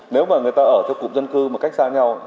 nếu mà người ta ở theo cụm dân cư một cách xa nhau